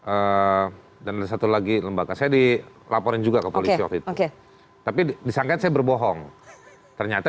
eh dan ada satu lagi lembaga saya dilaporin juga ke politik oke tapi saya berbohong ternyata